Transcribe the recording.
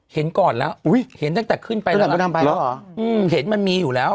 เห็นก่อนแล้วอุ้ยเห็นตั้งแต่ขึ้นไปแล้วนะเห็นมันมีอยู่แล้ว